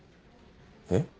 えっ？